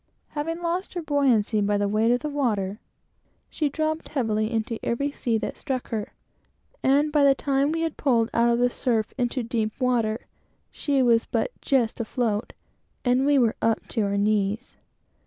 Having lost her buoyancy by the weight of the water, she dropped heavily into every sea that struck her, and by the time we had pulled out of the surf into deep water, she was but just afloat, and we were up to our knees.